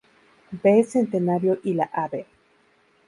V Centenario y la Av.